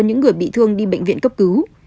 những người bị thương đi bệnh viện cấp cứu